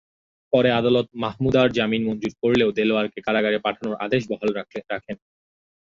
পরে আদালত মাহমুদার জামিন মঞ্জুর করলেও দেলোয়ারকে কারাগারে পাঠানোর আদেশ বহাল রাখেন।